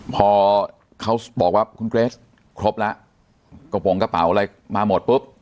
พอเขาบอกว่าคุณเกรสครบแล้วกระโปรงกระเป๋าอะไรมาหมดปุ๊บ